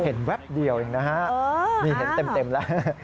เห็นแว๊บเดียวเองนะฮะมีเห็นเต็มแล้ว